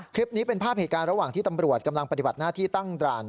คลิปนี้เป็นภาพเหตุการณ์ระหว่างที่ตำรวจกำลังปฏิบัติหน้าที่ตั้งด่าน